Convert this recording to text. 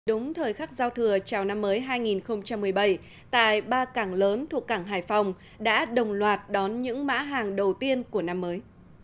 đúng thời khắc giao thừa chào năm mới hai nghìn một mươi bảy tại ba cảng lớn thuộc cảng hải phòng đã đồng loạt đón những mã hàng đầu tiên của năm mới